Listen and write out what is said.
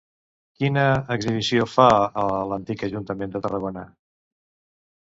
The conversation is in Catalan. Quina exhibició fa a l'antic Ajuntament de Tarragona?